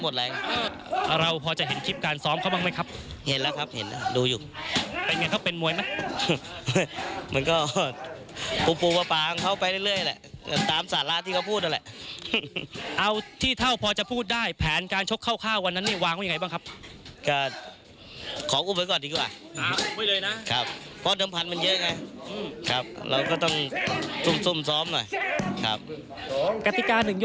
อดีตเคยเป็นดาราภูทรด้วยในนามของแท็กซี่น้อย